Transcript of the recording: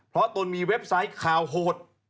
เพราะตนมีเว็บไซต์ข่าวโหด